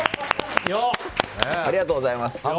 ありがとうございます。